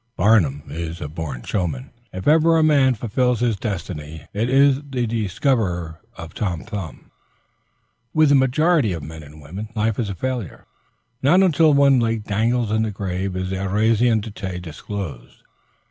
Barnum is a born showman. If ever a man fulfills his destiny, it is the discoverer of Tom Thumb. With the majority of men and women life is a failure. Not until one leg dangles in the grave is their raison d'être disclosed.